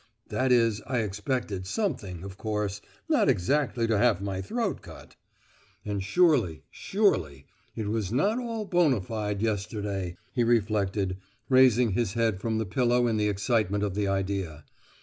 "That is I expected something—of course, not exactly to have my throat cut! And surely—surely, it was not all bonâ fide yesterday," he reflected, raising his head from the pillow in the excitement of the idea.